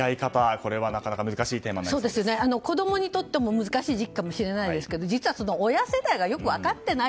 これはなかなか子供にとっても難しい時期かもしれないですけど実は親世代がよく分かっていない。